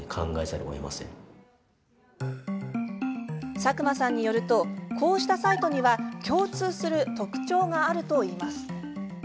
佐久間さんによるとこうしたサイトには共通する特徴があるといいます。